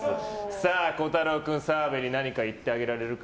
虎太郎君、澤部に何か言ってあげられるか？